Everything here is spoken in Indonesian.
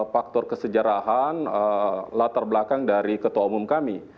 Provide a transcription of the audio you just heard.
faktor kesejarahan latar belakang dari ketua umum kami